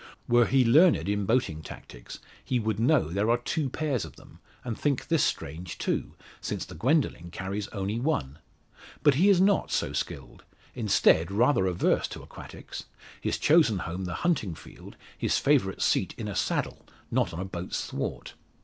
Were he learned in boating tactics he would know there are two pairs of them, and think this strange too; since the Gwendoline carries only one. But he is not so skilled instead, rather averse to aquatics his chosen home the hunting field, his favourite seat in a saddle, not on a boat's thwart.